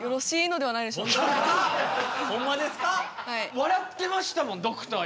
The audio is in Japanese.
笑ってましたもんドクター